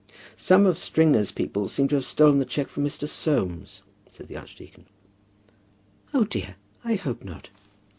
"Some of Stringer's people seem to have stolen the cheque from Mr. Soames," said the archdeacon. "O dear; I hope not."